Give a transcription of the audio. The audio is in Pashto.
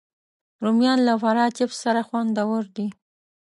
رومیان له فرای چپس سره خوندور دي